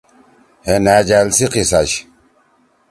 ہے نھأجال سی قصہ چھی۔